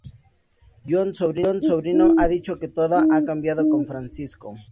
Jon Sobrino ha dicho que "todo ha cambiado con Francisco".